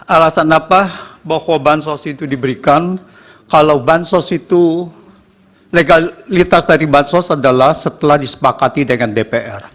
alasan apa bahwa bansos itu diberikan kalau bansos itu legalitas dari bansos adalah setelah disepakati dengan dpr